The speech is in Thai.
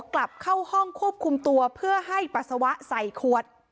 กลับเข้าห้องควบคุมตัวเพื่อให้ปัสสาวะใส่ขวด